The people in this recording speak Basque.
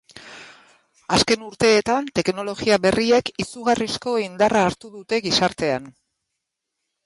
Azken urteetan teknologia berriek izugarrizko indarra hartu dute gizartean.